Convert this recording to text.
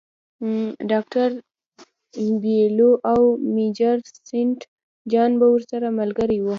ډاکټر بیلیو او میجر سینټ جان به ورسره ملګري وي.